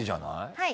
はい。